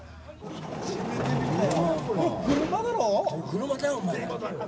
車だろ。